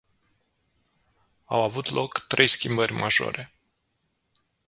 Au avut loc trei schimbări majore.